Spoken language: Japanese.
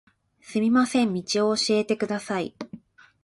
すみません、道を教えてください。